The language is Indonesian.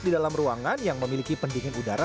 di dalam ruangan yang memiliki pendingin udara